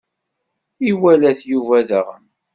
Iwala-t Yuba, daɣen.